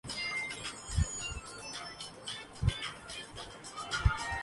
اور کوئی متبادل نہیں۔